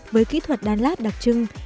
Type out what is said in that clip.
với kỹ thuật đan lát đặc trưng